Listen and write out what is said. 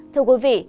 thưa quý vị